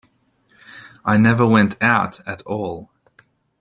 I never went out at all.